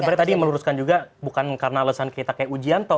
sebenarnya tadi meluruskan juga bukan karena alasan kita kayak ujianto